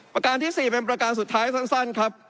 ประการที่๔เป็นประการสุดท้ายสั้นครับ